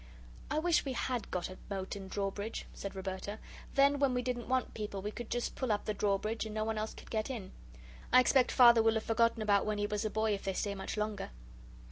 "I wish we HAD got a moat and drawbridge," said Roberta; "then, when we didn't want people, we could just pull up the drawbridge and no one else could get in. I expect Father will have forgotten about when he was a boy if they stay much longer."